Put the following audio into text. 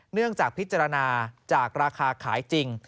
เนื่องจากพิจารณาจากราคาขายจริง